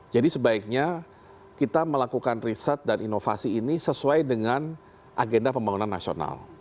jadi sebaiknya kita melakukan riset dan inovasi ini sesuai dengan agenda pembangunan nasional